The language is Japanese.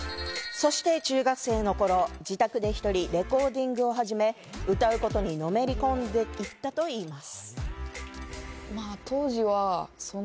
そして中学生の頃、自宅で１人レコーディングをはじめ、歌うことにのめり込んでいったといいます。